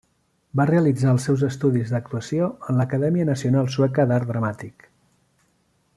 Va realitzar els seus estudis d'actuació en l'Acadèmia Nacional Sueca d'Art Dramàtic.